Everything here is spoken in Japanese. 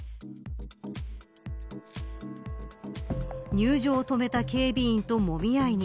入場を止めた警備員ともみ合いに。